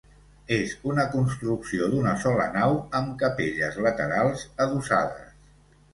És una construcció d'una sola nau, amb capelles laterals adossades.